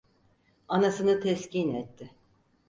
Anasını teskin etti.